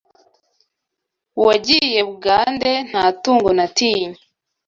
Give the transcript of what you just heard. Wagiye Bugande Nta tungo natinye